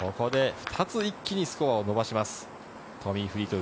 ２つ、一気にスコアを伸ばします。